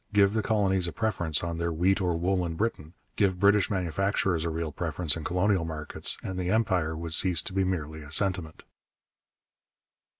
Give the colonies a preference on their wheat or wool in Britain, give British manufacturers a real preference in colonial markets, and the Empire would cease to be merely a sentiment.